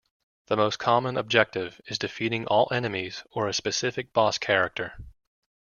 The most common objective is defeating all enemies or a specific boss character.